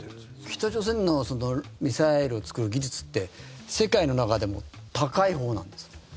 北朝鮮のミサイルを作る技術って世界の中でも高いほうなんですか。